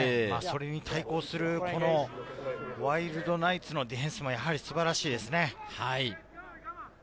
それに対抗するワイルドナイツのディフェンスもやはり素晴らしいですね。